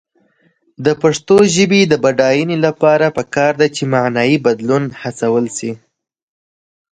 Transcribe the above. د پښتو ژبې د بډاینې لپاره پکار ده چې معنايي بدلون هڅول شي.